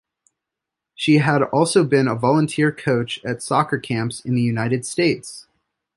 She had also been a volunteer coach at soccer camps in the United States.